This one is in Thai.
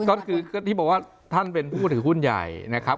ก็คือที่บอกว่าท่านเป็นผู้ถือหุ้นใหญ่นะครับ